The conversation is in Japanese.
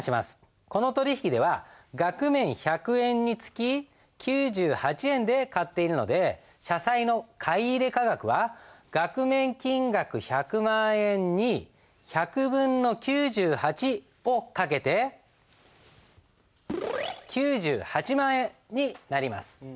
この取引では額面１００円につき９８円で買っているので社債の買入価額は額面金額１００万円に１００分の９８を掛けて９８万円になります。